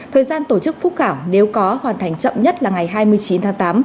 thời gian tổ chức phúc khảo nếu có hoàn thành chậm nhất là ngày hai mươi chín tháng tám